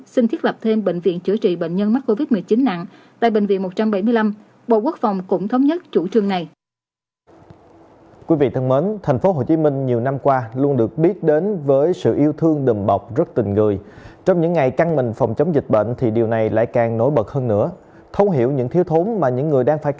xin thiết lập thêm bệnh viện chữa trị bệnh nhân mắc covid một mươi chín nặng tại bệnh viện một trăm bảy mươi năm